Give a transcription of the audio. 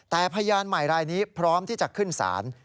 แต่พยานใหม่รายนี้พร้อมที่จะขึ้นศาล